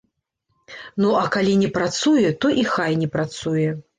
Ну а калі не працуе, то і хай не працуе.